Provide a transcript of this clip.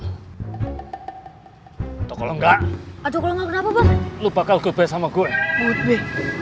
atau kalau enggak atau kalau enggak kenapa bang lo bakal go bet sama gue